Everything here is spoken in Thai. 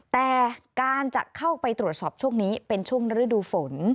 แต่การจะเข้าไปตรวจสอบช่วงนี้เป็นช่วงฤดูฝน